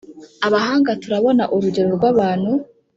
abahanga turabona urugero rwabantu